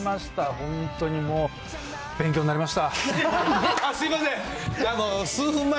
本当にもう、勉強になりました。